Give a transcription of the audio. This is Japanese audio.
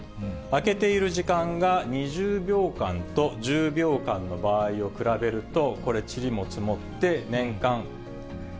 開けている時間が２０秒間と１０秒間の場合を比べると、これ、ちりも積もって、年間１６０円。